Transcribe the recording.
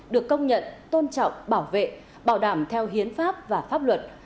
được công nhận tôn trọng bảo vệ bảo đảm theo hiến pháp và pháp luật